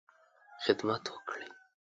خدمت وکړې.